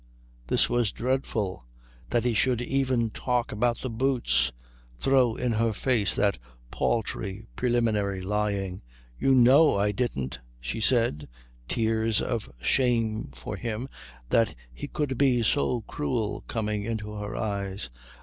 This was dreadful. That he should even talk about the boots! Throw in her face that paltry preliminary lying. "You know I didn't," she said, tears of shame for him that he could be so cruel coming into her eyes.